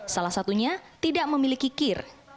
salah satunya tidak memiliki kir